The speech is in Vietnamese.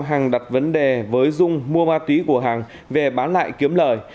hằng đặt vấn đề với dung mua ma túy của hằng về bán lại kiếm lợi